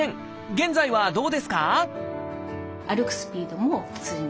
現在はどうですか？